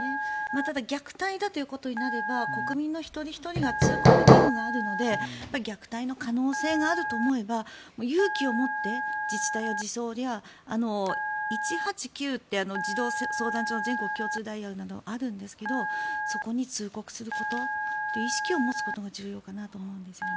ただ虐待だということになれば国民の一人ひとりが通告義務があるので虐待の可能性があると思えば勇気を持って自治体や児相や１８９という児童相談所の全国共通ダイヤルがあるんですがそこに通告すること意識を持つことが重要だと思うんですね。